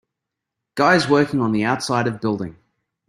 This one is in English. Guys working on the outside of building